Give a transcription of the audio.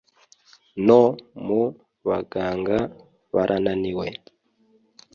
no mu baganga barananiwe